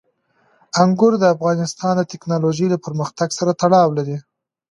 انګور د افغانستان د تکنالوژۍ له پرمختګ سره تړاو لري.